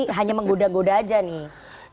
hanya menggoda goda aja nih